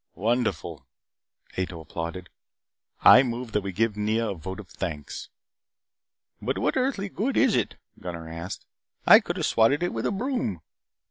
"Wonderful," Ato applauded. "I move that we give Nea a vote of thanks." "But what earthly good is it?" Gunnar asked. "I could have swatted it with a broom."